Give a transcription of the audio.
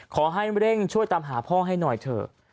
ขอให้เร่งช่วยตามหาพ่อให้หน่อยเถอะ